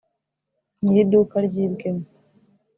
nyir’iduka ryibwemo